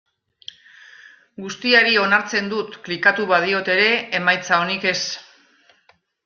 Guztiari onartzen dut klikatu badiot ere, emaitza onik ez.